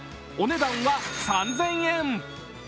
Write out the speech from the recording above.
お値段は３０００円。